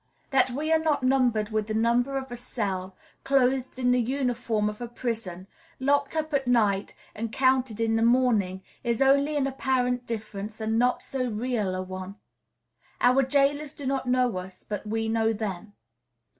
That we are not numbered with the number of a cell, clothed in the uniform of a prison, locked up at night, and counted in the morning, is only an apparent difference, and not so real a one. Our jailers do not know us; but we know them.